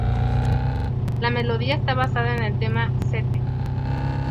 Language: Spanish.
La melodía está basada en el tema "St.